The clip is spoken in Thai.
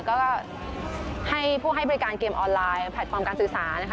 ก็ให้ผู้ให้บริการเกมออนไลน์แพลตฟอร์มการศึกษานะคะ